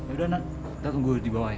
yaudah nak kita tunggu dibawah ya